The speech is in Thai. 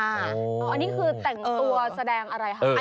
อันนี้คือแต่งตัวแสดงอะไรคะ